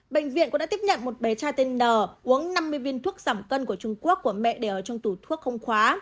bệnh viện cũng đã tiếp nhận một bé trai tên n uống năm mươi viên thuốc giảm cân của trung quốc của mẹ để ở trong tủ thuốc không khóa